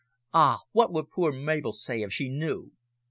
Ah! what would poor Mabel say, if she knew?